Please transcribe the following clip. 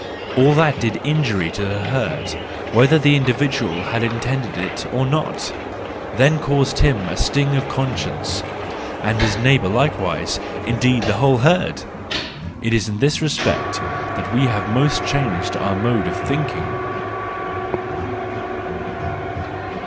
All that did injury to the herd, whether the individual had intended it or not, then caused him a sting of conscience—and his neighbour like¬ wise, indeed the whole herd !—It is in this respect that we have most changed our mode of thinking.